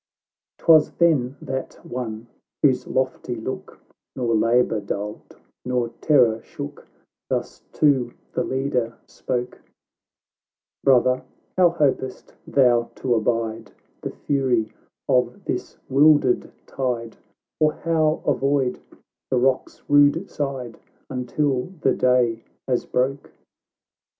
XIX 'Twas then that One, whose lofty look Nor labour dulled nor terror shook, Thus to the Leader spoke :" Brother, how hopest thou to abide The fury of this wildered tide, _ Or how avoid the rock's rude side, Until the day has broke